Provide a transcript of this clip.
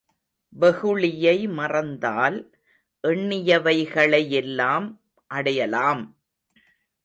வெகுளியை மறந்தால் எண்ணியவைகளையெல்லாம் அடையலாம்!